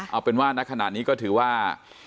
เอาเป็นว่าณขณะนี้ก็ถือว่า